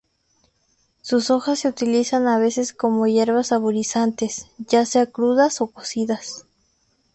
Sus hojas se utilizan a veces como hierbas saborizantes, ya sea crudas o cocidas.